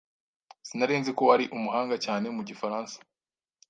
Sinari nzi ko wari umuhanga cyane mu gifaransa.